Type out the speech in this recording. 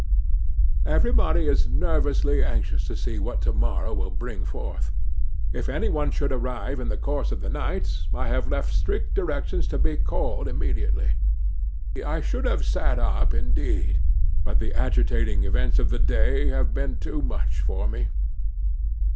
'Everybody is nervously anxious to see what to morrow will bring forth. If any one should arrive in the course of the night, I have left strict directions to be called immediately. I should have sat up, indeed, but the agitating events of this day have been too much for me.